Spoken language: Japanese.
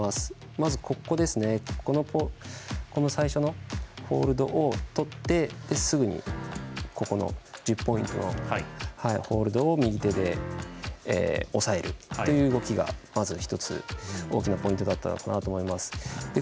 まず、最初のホールドをとってすぐに１０ポイントのホールドを右手で押さえるっていう動きがまず１つ大きなポイントだったのかなと思います。